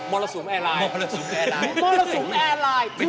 มรสุมแอร์ไลน์